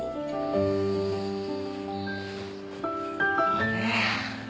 あれ？